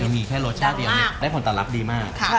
ยังมีแค่รสชาติเดียวเนี่ยได้ผลต่อรับดีมาก